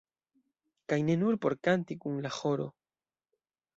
Kaj ne nur por kanti kun la ĥoro.